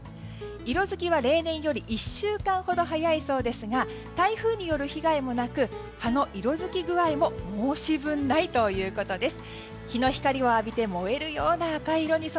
色づきは例年より１週間ほど早いそうですが台風による被害もなく葉の色づきは申し分ないということです。